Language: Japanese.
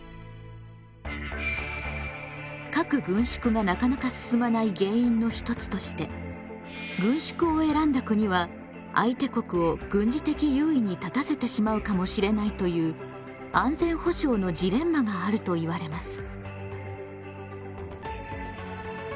核軍縮がなかなか進まない原因の一つとして軍縮を選んだ国は相手国を軍事的優位に立たせてしまうかもしれないという安全保障のジレンマがあるといわれます。